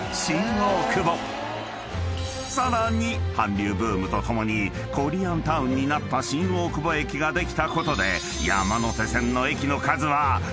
［さらに韓流ブームと共にコリアンタウンになった新大久保駅ができたことで山手線の駅の数は］